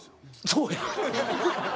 そうや。